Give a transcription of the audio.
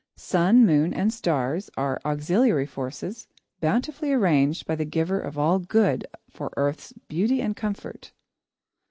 Sun, moon, and stars are auxiliary forces, bountifully arranged by the Giver of all Good for Earth's beauty and comfort.